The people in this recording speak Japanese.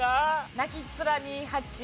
「泣きっ面に蜂」。